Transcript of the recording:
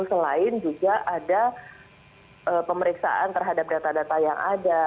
selain juga ada pemeriksaan terhadap data data yang ada